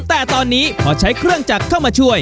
แต่ตอนนี้พอใช้เครื่องจักรเข้ามาช่วย